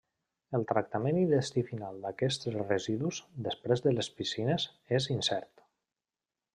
El tractament i destí final d'aquests residus, després de les piscines, és incert.